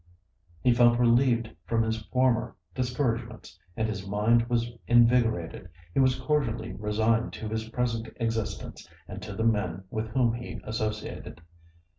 He felt relieved from his former discouragements, and his mind was invigorated; he was cordially resigned to his present existence, and to the men with whom he associated.